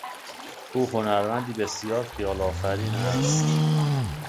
او هنرمندی بسیار خیال آفرین است.